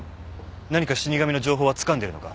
何か死神の情報はつかんでるのか？